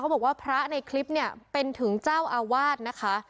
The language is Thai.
บอกว่าพระในคลิปเนี่ยเป็นถึงเจ้าอาวาสนะคะ